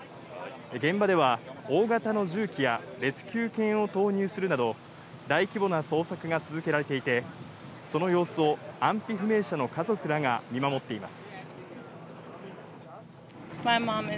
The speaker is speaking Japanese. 現場では、大型の重機やレスキュー犬を投入するなど、大規模な捜索が続けられていて、その様子を安否不明者の家族らが見守っています。